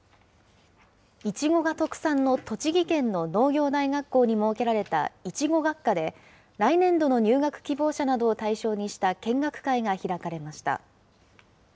いちごが特産の栃木県の農業大学校に設けられたいちご学科で、来年度の入学希望者などを対象にした見学会が開かれました。